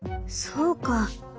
そうか。